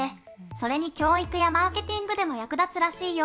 それに教育やマーケティングでも役立つらしいよ！